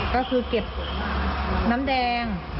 ก็คือเก็บน้ำแดง